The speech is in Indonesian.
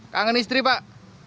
kangen istri pak